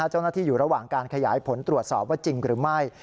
เจ้าหน้าที่อยู่ระหว่างการขยายผลตรวจสอบว่าจริงหรือไม่